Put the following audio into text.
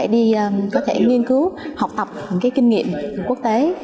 để có thể nghiên cứu học tập những kinh nghiệm quốc tế